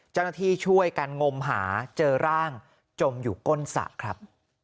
เจ้าหน้าที่ช่วยกันงมหาเจอร่างจมอยู่ก้นสระครับ